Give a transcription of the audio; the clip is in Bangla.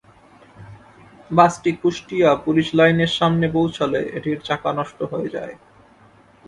বাসটি কুষ্টিয়া পুলিশ লাইনের সামনে পৌঁছালে এটির চাকা নষ্ট হয়ে যায়।